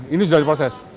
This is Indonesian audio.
ini sudah diproses